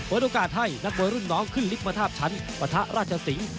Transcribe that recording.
โอกาสให้นักมวยรุ่นน้องขึ้นลิฟต์มาทาบชั้นปะทะราชสิงศ์